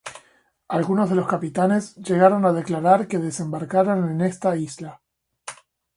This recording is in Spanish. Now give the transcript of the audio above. Algunos de los capitanes llegaron a declarar que desembarcaron en esta isla.